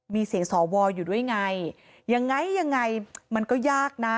มีเสียงสวอยู่ด้วยไงยังไงยังไงมันก็ยากนะ